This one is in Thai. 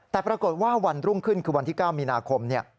แต่ปรากฏว่าวันรุ่งขึ้นคือวันที่๙มีนาคม